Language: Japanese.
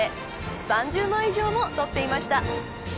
３０枚以上も撮っていました。